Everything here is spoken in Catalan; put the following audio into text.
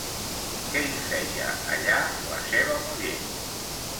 Què hi feia, allà, la seva muller?